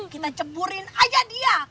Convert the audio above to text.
kita ceburin aja dia